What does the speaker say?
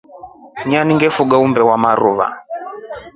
Ina ngefunga umbe wa marua.